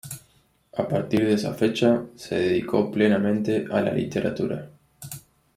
A partir de esa fecha, se dedicó plenamente a la literatura.